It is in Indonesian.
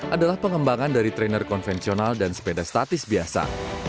adalah pengembangan dari trainer konvensional dan sepeda statis biasa